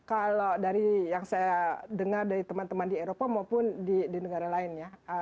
kalau dari yang saya dengar dari teman teman di eropa maupun di negara lain ya